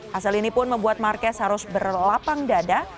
hasil ini pun membuat marquez harus berlapang dada